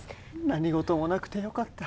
何事もなくてよかった。